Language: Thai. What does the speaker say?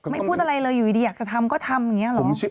พูดอะไรเลยอยู่ดีอยากจะทำก็ทำอย่างนี้หรอ